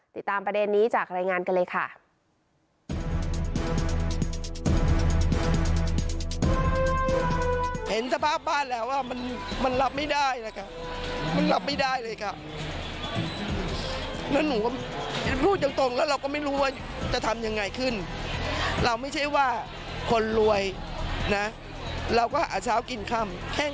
ติดตามประเด็นนี้จากรายงานกันเลยค่ะ